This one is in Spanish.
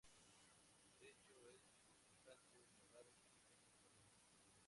El lecho es cantos rodados y con muchas rocas.